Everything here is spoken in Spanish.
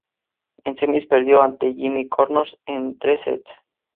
En semis perdió ante Jimmy Connors en tres sets.